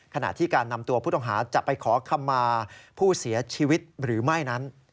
ขณะที่การนำตัวผู้ต้องหาจะไปขอคำมาผู้เสียชีวิตหรือไม่นั้น